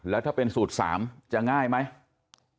แล้วถ้าเป็นสูตร๓จะง่ายไหม